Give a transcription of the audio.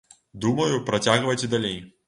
Думаю працягваць і далей.